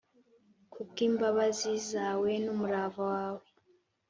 kubw’imbabazi zawe n’umurava wawe.